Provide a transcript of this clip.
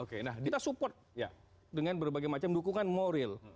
kita support dengan berbagai macam dukungan moral